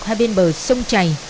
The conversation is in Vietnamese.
hai bên bờ sông chày